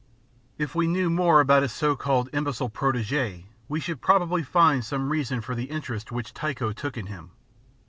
If we knew more about his so called imbecile protégé we should probably find some reason for the interest which Tycho took in him.